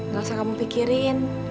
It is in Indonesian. gak usah kamu pikirin